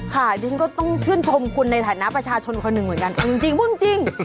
ดิฉันก็ต้องชื่นชมคุณในฐานะประชาชนคนหนึ่งเหมือนกันเอาจริงพูดจริง